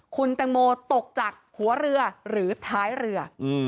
คุณแตงโมตกจากหัวเรือหรือท้ายเรือ